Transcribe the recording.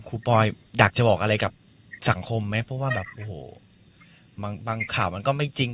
ปอยอยากจะบอกอะไรกับสังคมไหมเพราะว่าแบบโอ้โหบางข่าวมันก็ไม่จริง